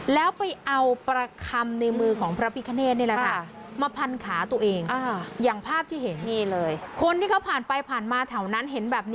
แล้วไปเอาประคำในมือของพระปิฯะเนธนี่แหละครับ